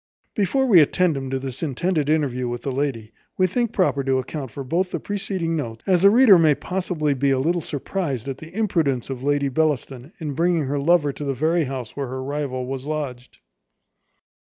Before we attend him to this intended interview with the lady, we think proper to account for both the preceding notes, as the reader may possibly be not a little surprized at the imprudence of Lady Bellaston, in bringing her lover to the very house where her rival was lodged.